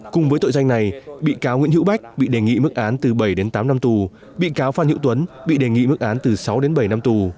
cùng với tội danh này bị cáo nguyễn hữu bách bị đề nghị mức án từ bảy đến tám năm tù bị cáo phan hữu tuấn bị đề nghị mức án từ sáu đến bảy năm tù